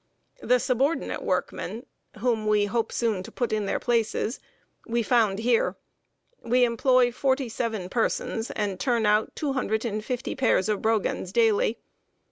The subordinate workmen, whom we hope soon to put in their places, we found here. We employ forty seven persons, and turn out two hundred and fifty pairs of brogans daily.